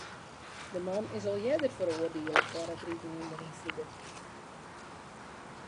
De man is al earder feroardiele foar it riden ûnder ynfloed.